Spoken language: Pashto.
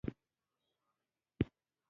غنم انسان له تاوتریخوالي نه هم خوندي نه کړ.